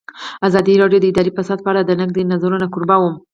ازادي راډیو د اداري فساد په اړه د نقدي نظرونو کوربه وه.